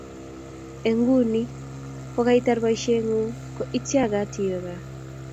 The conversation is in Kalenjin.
eng nguni omu kaitar boisieng'ung, ko iityagat iwe kaa